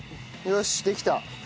よしできた。